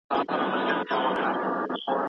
هرځل چې طبیعت ته درناوی وشي، توازن ساتل کېږي.